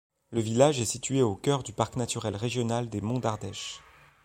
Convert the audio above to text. Le village est situé au cœur du parc naturel régional des Monts d'Ardèche.